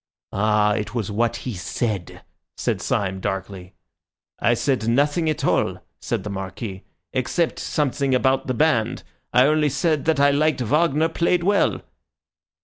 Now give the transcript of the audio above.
"Ah, it was what he said!" said Syme darkly. "I said nothing at all," said the Marquis, "except something about the band. I only said that I liked Wagner played well."